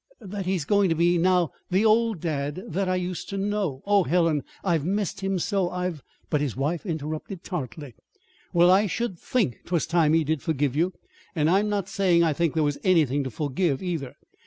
That he's going to be now the the old dad that I used to know. Oh, Helen, I've missed him so! I've " But his wife interrupted tartly. "Well, I should think 'twas time he did forgive you and I'm not saying I think there was anything to forgive, either.